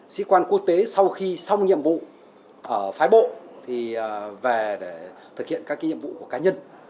sĩ quan quốc tế sau khi xong nhiệm vụ ở phái bộ thì về để thực hiện các nhiệm vụ của cá nhân